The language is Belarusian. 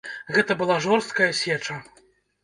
Гэта была жорсткая сеча.